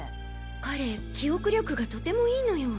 彼記憶力がとてもいいのよ。